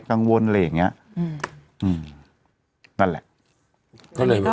กังวลเลยอย่างเงี้ยนั่นแหละ